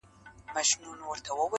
تر تياره برخه مه تېرېږه.